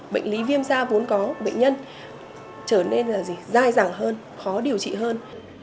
bệnh lý viêm da vốn có bệnh nhân trở nên dài dàng hơn khó điều trị hơn